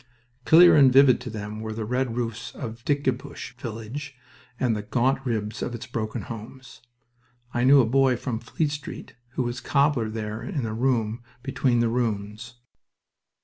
Clear and vivid to them were the red roofs of Dickebusch village and the gaunt ribs of its broken houses. (I knew a boy from Fleet Street who was cobbler there in a room between the ruins.)